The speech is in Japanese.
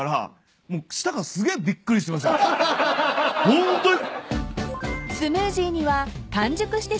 ホントに。